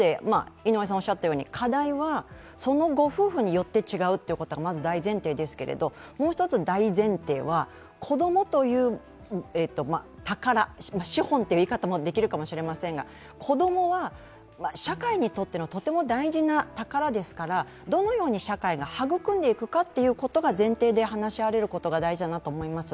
一方で、課題はそのご夫婦によって違うということが、まず大前提ですけどもう一つ大前提は、子供という宝、資本という言い方もできるかもしれませんが子供は社会にとってのとても大事な宝ですから、どのように社会が育んでいくかということが前提で話し合われることが大事だなと思います。